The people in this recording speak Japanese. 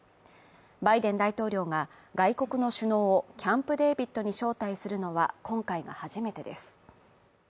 バイデン大統領が外国の首脳をキャンプ・デービッドに招待するのは今回が初めてです。